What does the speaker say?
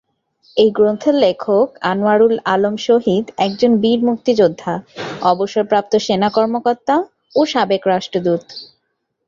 এই গ্রন্থের লেখক আনোয়ার উল আলম শহীদ একজন বীর মুক্তিযোদ্ধা, অবসরপ্রাপ্ত সেনা কর্মকর্তা ও সাবেক রাষ্ট্রদূত।